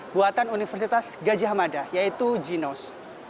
buatan universitas gajah mada yaitu ginos